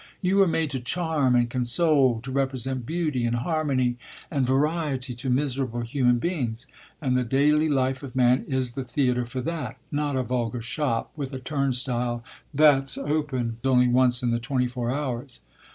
You were made to charm and console, to represent beauty and harmony and variety to miserable human beings; and the daily life of man is the theatre for that not a vulgar shop with a turnstile that's open only once in the twenty four hours.